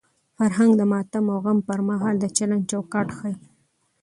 فرهنګ د ماتم او غم پر مهال د چلند چوکاټ ښيي.